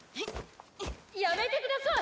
やめてください！